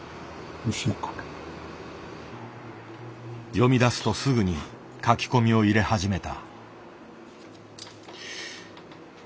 読みだすとすぐに書き込みを入れ始めた。